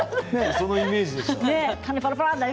そのイメージでしたよね。